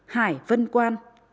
hải vân quan